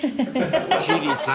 ［千里さん